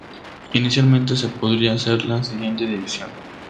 Inicialmente se podría hacer la siguiente división.